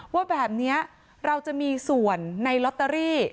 ว่าแบบนี้เราจะมีส่วนในลอตเตอรี่